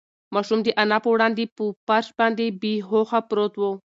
ماشوم د انا په وړاندې په فرش باندې بې هوښه پروت و.